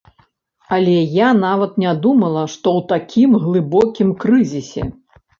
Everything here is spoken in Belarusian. Але я нават не думала, што ў такім глыбокім крызісе.